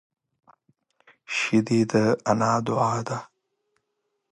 شیدې د انا دعا ده